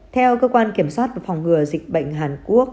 theo cơ quan kiểm soát và phòng ngừa dịch bệnh hàn quốc